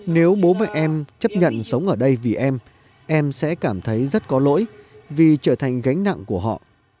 nếu bố mẹ em chấp nhận sống ở đây vì em em em sẽ cảm thấy rất có lỗi vì trở thành gánh nặng của họ